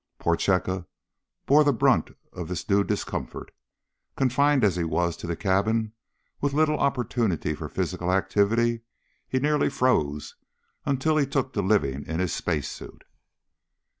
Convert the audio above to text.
Prochaska bore the brunt of this new discomfort. Confined as he was to the cabin and with little opportunity for physical activity, he nearly froze until he took to living in his space suit.